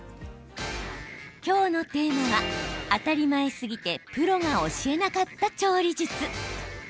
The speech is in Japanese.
今日のテーマは当たり前すぎてプロが教えなかった調理術。